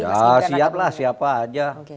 ya siap lah siapa aja